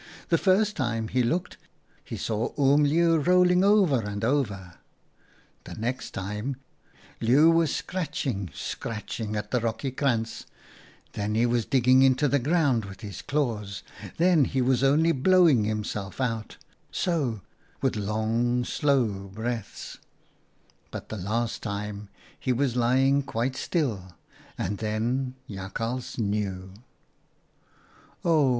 " The first time he looked, he saw Oom Leeuw rolling over and over ; the next time Leeuw was scratching, scratching at the rocky krantz ; then he was digging into the ground with his claws ; then he was only blowing himself out — so — with long slow breaths ; but the last time he was lying quite still, and then Jakhals knew" " Oh